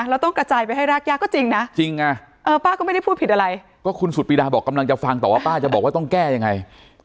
เราต้องกระจายไปให้รากย่าก็จริงนะจริงอ่ะเออป้าก็ไม่ได้พูดผิดอะไร